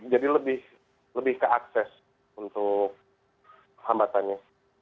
jadi lebih ke akses untuk hambatannya